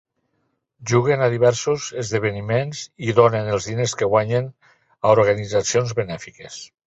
Juguen a diversos esdeveniments i donen els diners que guanyen a organitzacions benèfiques.